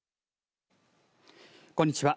こんにちは。